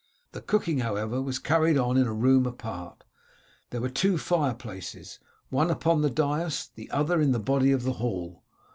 The cooking, however, was carried on in a room apart. There were two fireplaces, one upon the dais and the other in the body of the hall.